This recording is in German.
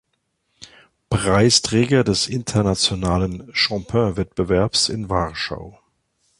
Preisträger des Internationalen Chopin-Wettbewerbs in Warschau.